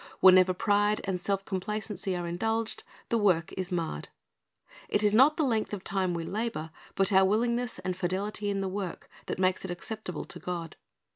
Whenever pride and self complacency are indulged, the work is marred. It is not the length of time we labor, but our willingness and fidelity in the work, that makes it acceptable to God.